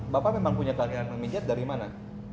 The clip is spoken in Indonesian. bapak memang punya pelatihan pemijat dari mana